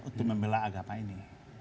untuk membela agama ini